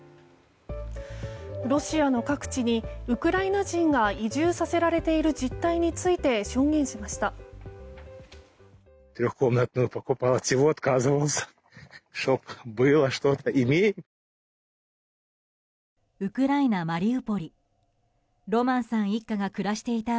ロシアの各地にウクライナ人が移住させられている実態について証言しました。